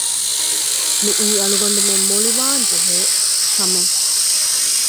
މިއީ އަޅުގަނޑުމެން މޮޅިވާންޖެހޭ ކަމެއް